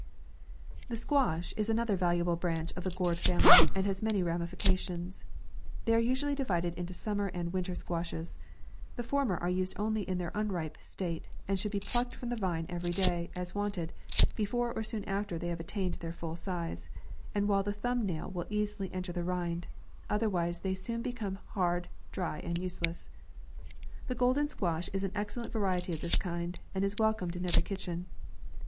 THE SQUASH is another valuable branch of the gourd fami ly, and has many ramifications. They are usually divided into summer and winter squashes. The former are used only in the unripe state, and should be plucked from the vine every day, as wanted, before, or soon after they have attained their full size, and while the thumb nail will easily en ter the rind ; otherwise they soon become hard, dry, and useless. The golden squash is an excellent variety of this kind, and is welcomed in every kitch en.